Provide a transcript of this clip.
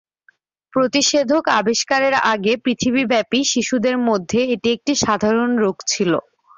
প্রতিষেধক আবিষ্কারের আগে, পৃথিবীব্যাপী শিশুদের মধ্যে এটি একটি সাধারণ রোগ ছিল।